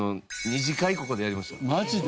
マジで？